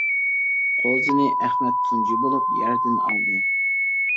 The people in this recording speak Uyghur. قوزىنى ئەخمەت تۇنجى بولۇپ يەردىن ئالدى.